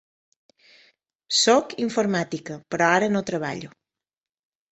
Soc informàtica, però ara no treballo.